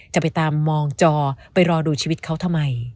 จะไปตามมองจอไปรอดูชีวิตเขาทำไม